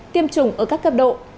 tiêm chủng ở các cấp độ